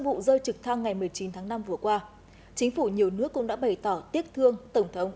vụ rơi trực thăng ngày một mươi chín tháng năm vừa qua chính phủ nhiều nước cũng đã bày tỏ tiếc thương tổng thống